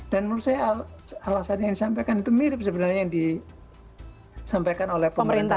dan menurut saya alasan yang disampaikan itu mirip sebenarnya yang disampaikan oleh pemerintah